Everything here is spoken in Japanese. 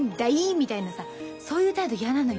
みたいなさそういう態度嫌なのよ。